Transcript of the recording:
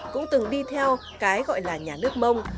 cũng từng đi theo cái gọi là nhà nước mông